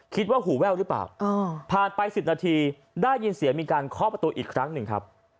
หูแว่วหรือเปล่าผ่านไป๑๐นาทีได้ยินเสียงมีการเคาะประตูอีกครั้งหนึ่งครับ